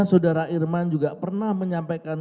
saudara irman juga pernah menyampaikan